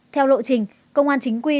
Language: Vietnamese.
theo lộ trình công an chính quy